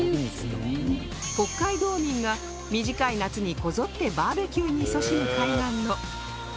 北海道民が短い夏にこぞってバーベキューにいそしむ海岸の